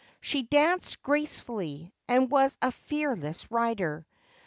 She danced gracefully, and was a fearless rider.